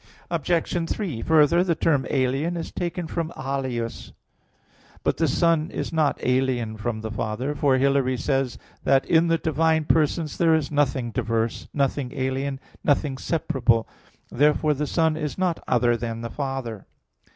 Obj. 3: Further, the term alien is taken from alius (other). But the Son is not alien from the Father, for Hilary says (De Trin. vii) that "in the divine persons there is nothing diverse, nothing alien, nothing separable." Therefore the Son is not other than the Father.